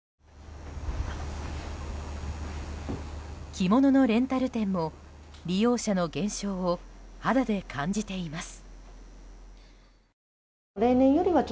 着物のレンタル店も利用者の減少を肌で感じています。